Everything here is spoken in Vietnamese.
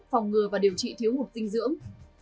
phòng ngừa và điều trị thiếu ngục dinh dưỡng